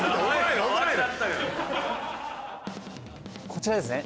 こちらですね？